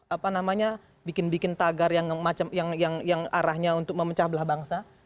apa namanya bikin bikin tagar yang arahnya untuk memecah belah bangsa